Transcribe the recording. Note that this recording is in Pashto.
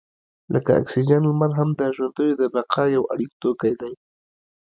لکه اکسیجن، لمر هم د ژوندیو د بقا یو اړین توکی دی.